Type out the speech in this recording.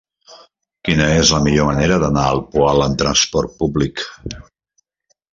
Quina és la millor manera d'anar al Poal amb trasport públic?